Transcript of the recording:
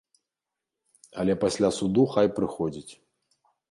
Але пасля суду хай прыходзіць.